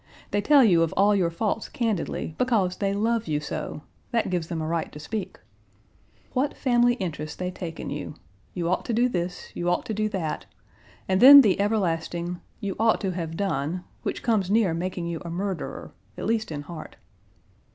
They tell you of all your faults candidly, because they love you so; that gives them a right to speak. What family Page 123 interest they take in you. You ought to do this; you ought to do that, and then the everlasting 'you ought to have done,' which comes near making you a murderer, at least in heart.